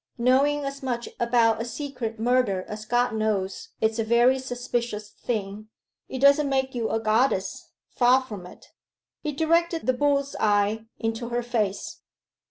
Knowing as much about a secret murder as God knows is a very suspicious thing: it doesn't make you a goddess far from it.' He directed the bull's eye into her face.